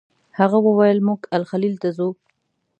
هغه وویل موږ الخلیل ته ځو.